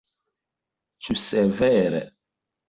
Ĉu severe?